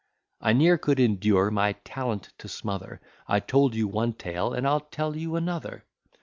I ne'er could endure my talent to smother: I told you one tale, and I'll tell you another.